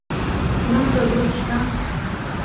نه څه لوست شته